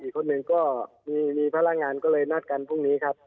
อีกคนหนึ่งก็มีพลังงานก็เลยนัดกันพรุ่งนี้ครับ